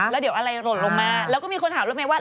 แล้วเดี๋ยวอะไรหล่นลงมาแล้วก็มีคนถามรถเมย์ว่า